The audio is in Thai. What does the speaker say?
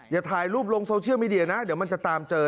อย่าถ่ายรูปลงโซเชียลมีเดียนะเดี๋ยวมันจะตามเจอ